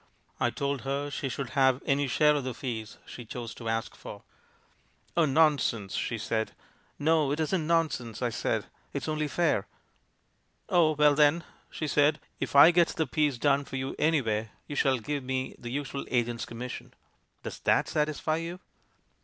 I told her she should have any share of the fees she chose to ask for. 'Oh, nonsense!' she said. 'No, it isn't nonsense!' I said; 'it's only fair.' 'Oh, well, then,' she said, 'if I get the piece done for you anywhere, you shall give me the usual agent's commission. Does that satisfy you?'